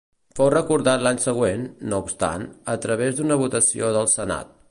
Fou recordat l'any següent, no obstant, a través d'una votació del senat.